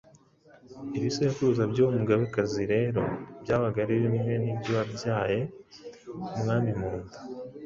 Ibisekuruza by'uwo Mugabekazi rero byabaga ari bimwe n'iby'uwabyaye Umwami mu nda.